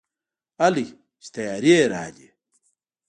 هلئ چې طيارې راغلې.